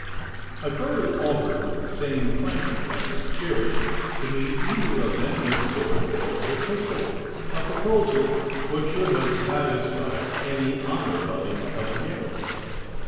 I further offered in the same frank and friendly spirit to meet either of them with sword or with pistol, a proposal which should have satisfied any honour loving Cavaliero.